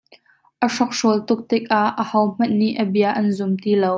A hrokhrawl tuk tikah aho hmanh nih a bia an zum ti lo.